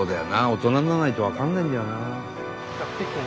大人にならないと分かんないんだよな。